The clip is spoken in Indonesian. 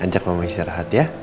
ajak mama istirahat ya